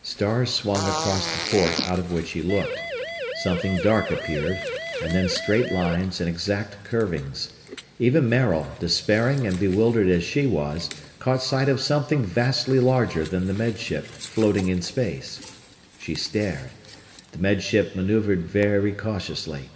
Stars swung across the port out of which he looked. Something dark appeared, and then straight lines and exact curvings. Even Maril, despairing and bewildered as she was, caught sight of something vastly larger than the Med Ship, floating in space. She stared. The Med Ship maneuvered very cautiously.